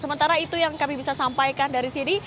sementara itu yang kami bisa sampaikan dari sini